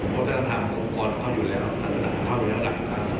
เพราะท่านธรรมปกรณ์เขาอยู่แล้วทัศนาเขาอยู่แล้วดังกลางสัตว์